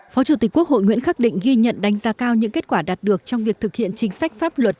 phó chủ tịch quốc hội nguyễn khắc định ghi nhận đánh giá cao những kết quả đạt được trong việc thực hiện chính sách pháp luật